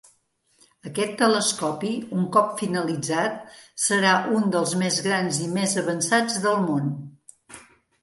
Aquest telescopi, un cop finalitzat, serà un dels més grans i més avançats del món.